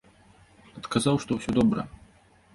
Адказаў, што ўсё добра.